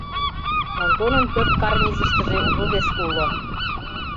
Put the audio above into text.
Онтонын пӧрт карнизыштыже вывеска уло.